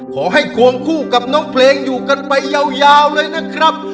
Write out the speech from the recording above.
ควงคู่กับน้องเพลงอยู่กันไปยาวเลยนะครับ